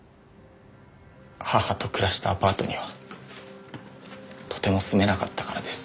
母と暮らしたアパートにはとても住めなかったからです。